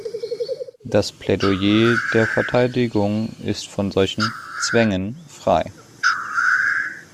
Das Plädoyer der Verteidigung ist von solchen „Zwängen“ frei.